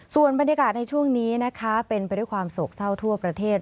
ส่วนบรรยากาศในช่วงนี้นะคะเป็นไปด้วยความโศกเศร้าทั่วประเทศ